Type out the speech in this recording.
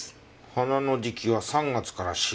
花の時期は３月から４月。